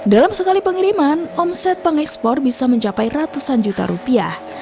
dalam sekali pengiriman omset pengekspor bisa mencapai ratusan juta rupiah